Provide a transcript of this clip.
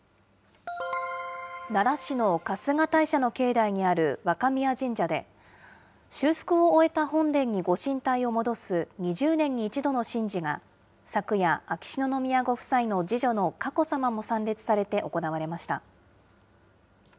奈良市の春日大社の境内にある若宮神社で、修復を終えた本殿にご神体を戻す２０年に１度の神事が昨夜、秋篠宮ご夫妻の次女の佳子さまも参列されて行われました。